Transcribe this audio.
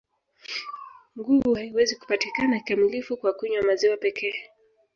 Nguvu haiwezi kupatikana kikamilifu kwa kunywa maziwa pekee